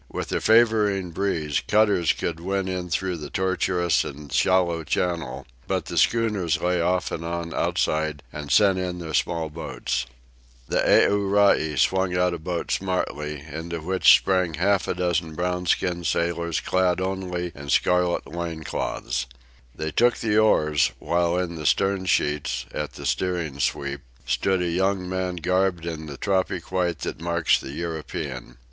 With a favoring breeze cutters could win in through the tortuous and shallow channel, but the schooners lay off and on outside and sent in their small boats. The Aorai swung out a boat smartly, into which sprang half a dozen brown skinned sailors clad only in scarlet loincloths. They took the oars, while in the stern sheets, at the steering sweep, stood a young man garbed in the tropic white that marks the European.